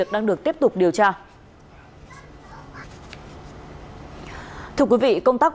em đỗ nẹ em gieo em đi ship hàng